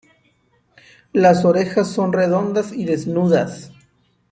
Las orejas son redondas y desnudas.